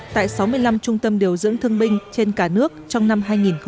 tại sáu mươi năm trung tâm điều dưỡng thương binh trên cả nước trong năm hai nghìn hai mươi